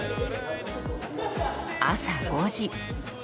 朝５時。